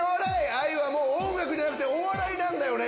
あゆはもう音楽じゃなくてお笑いなんだよね！